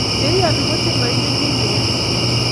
Cheiyoni kochemoingen kit neyoe